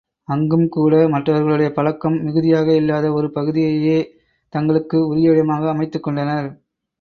அங்கும் கூட மற்றவர்களுடைய பழக்கம் மிகுதியாக இல்லாத ஒரு பகுதியையே தங்களுக்கு உரிய இடமாக அமைத்துக் கொண்டனர்.